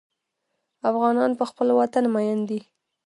افغانان په خپل وطن مین دي.